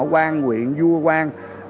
quang quyện vua quang